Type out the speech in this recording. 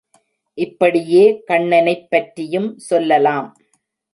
இப்படியே கண்ணனைப் பற்றியும் சொல்லலாம்.